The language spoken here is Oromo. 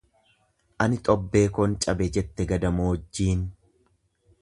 Ani xobbee koon cabe jette gadamoojjiin.